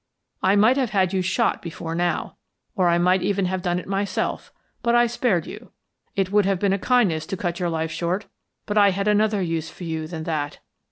I might have had you shot before now, or I might even have done it myself, but I spared you. It would have been a kindness to cut your life short, but I had another use for you than that.